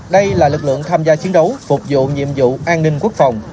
đây là lực lượng tham gia chiến đấu phục vụ nhiệm vụ an ninh quốc phòng